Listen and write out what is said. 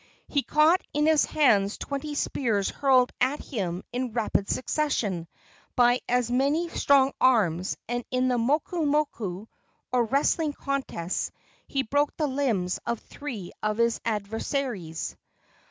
He caught in his hands twenty spears hurled at him in rapid succession by as many strong arms, and in the moku moku, or wrestling contests, he broke the limbs of three of his adversaries.